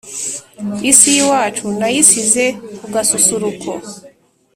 isi y’iwacu nayisize ku gasusuruko